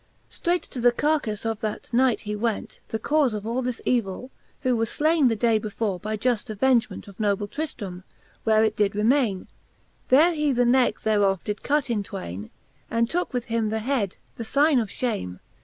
XVII. Streight to the carkafle of that Knight he went, The caufe of all thisevill, who was flaine The day before by juft avengement Of noble 7r//?r^/^, where it did remaine: There he the necke thereof did cut it twaine. And tooke with him the head, the figne of fhame.